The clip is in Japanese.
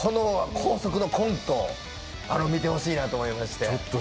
この高速のコント見てほしいなと思いまして。